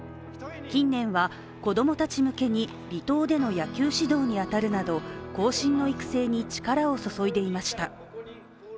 近年は子供たち向けに離島での野球指導に当たるなど、後進の育成に力を注いでいました。